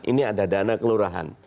ini ada dana kelurahan